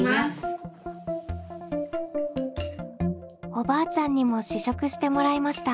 おばあちゃんにも試食してもらいました。